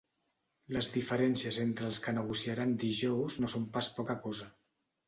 Les diferències entre els qui negociaran dijous no són pas poca cosa.